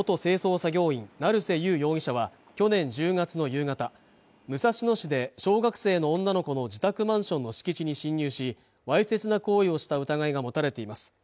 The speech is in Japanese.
作業員成瀬友容疑者は去年１０月の夕方武蔵野市で小学生の女の子の自宅マンションの敷地に侵入しわいせつな行為をした疑いが持たれています